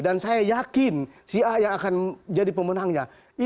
dan saya yakin si a yang akan jadi pemenangnya